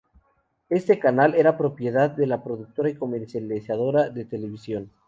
Este canal era propiedad de Productora y Comercializadora de Televisión.